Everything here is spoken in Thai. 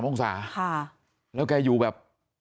องศาแล้วแกอยู่แบบ